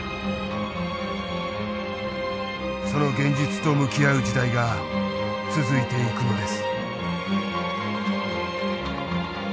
その現実と向き合う時代が続いていくのです。